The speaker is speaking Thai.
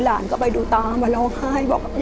หลานก็ไปดูตามาร้องไห้บอก